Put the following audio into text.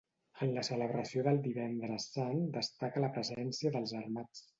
En la celebració del Divendres Sant destaca la presència dels Armats.